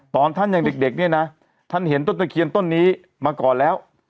ตอนท่านยังเด็กเนี่ยนะท่านเห็นต้นตะเคียนต้นนี้มาก่อนแล้ว